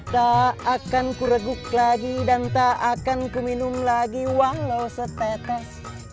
tak akan ku reguk lagi dan tak akan ku minum lagi walau setetes